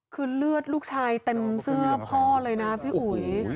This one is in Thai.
คือเลือดลูกชายเต็มเสื้อพ่อเลยนะพี่อุ๋ย